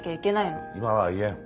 今は言えん。